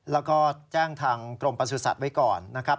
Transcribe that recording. แล้วก็แจ้งทางกรมประสุทธิ์ไว้ก่อนนะครับ